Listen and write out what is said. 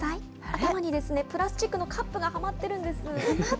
頭にプラスチックのカップがはまってるんです。